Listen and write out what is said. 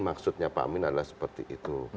maksudnya pak amin adalah seperti itu